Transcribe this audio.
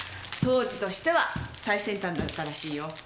当時としては最先端だったらしいよ。